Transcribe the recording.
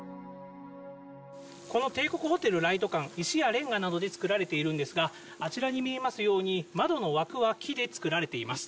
この帝国ホテル・ライト館、石やれんがなどで作られているんですが、あちらに見えますように、窓の枠は木で作られています。